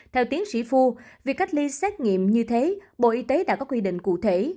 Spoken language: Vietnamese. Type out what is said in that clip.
theo tiến sĩ phu việc cách ly xét nghiệm như thế bộ y tế đã có quy định cụ thể